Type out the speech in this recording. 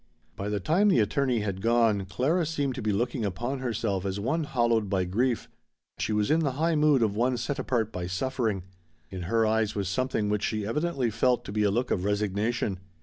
By the time the attorney had gone Clara seemed to be looking upon herself as one hallowed by grief; she was in the high mood of one set apart by suffering. In her eyes was something which she evidently felt to be a look of resignation.